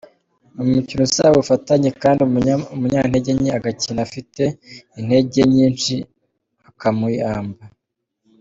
Ni umukino usaba ubufatanye kandi umunyantegenke agakina ufite intege nyinshi akamuyamba.